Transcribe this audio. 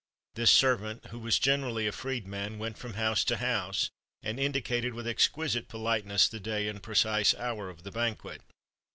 This servant, who was generally a freed man, went from house to house, and indicated, with exquisite politeness, the day and precise hour of the banquet.